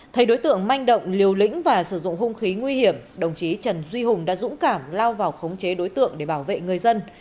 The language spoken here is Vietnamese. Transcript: thay đối tượng manh động liều lĩnh và sử dụng hung khí nguy hiểm đồng chí trần duy hùng đã dũng cảm lao vào khống chế đối tượng để bảo vệ người dân